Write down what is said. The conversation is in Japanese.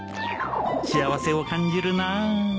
幸せを感じるな